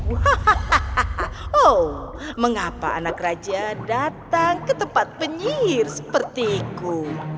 hahaha oh mengapa anak raja datang ke tempat penyihir sepertiku